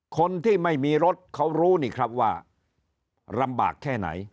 คนที่ไม่มีรถเขารู้นี่ครับว่าลำบากแค่ไหน